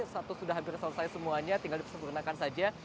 satu sudah hampir selesai semuanya tinggal disempurnakan saja